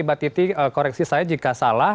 mbak titi koreksi saya jika salah